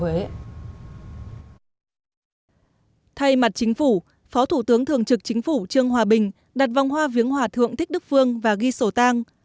thay mặt chính phủ phó thủ tướng thường trực chính phủ trương hòa bình đặt vòng hoa viếng hòa thượng thích đức phương và ghi sổ tang